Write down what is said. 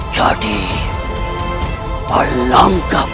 jadi alamkah padaku